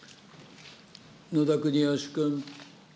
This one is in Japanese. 野田国義君。